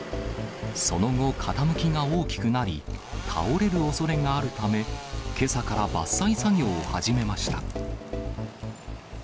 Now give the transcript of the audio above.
その後、傾きが大きくなり、倒れるおそれがあるため、けさから伐採作業を始めました。